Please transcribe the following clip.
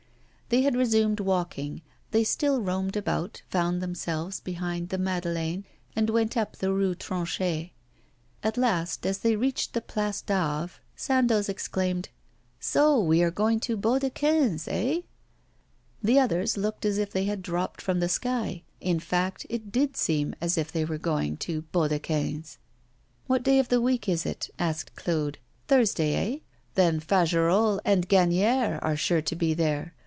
They had resumed walking; they still roamed about, found themselves behind the Madeleine, and went up the Rue Tronchet. At last, as they reached the Place du Havre, Sandoz exclaimed, 'So we are going to Baudequin's, eh?' The others looked as if they had dropped from the sky; in fact, it did seem as if they were going to Baudequin's. 'What day of the week is it?' asked Claude. 'Thursday, eh? Then Fagerolles and Gagnière are sure to be there.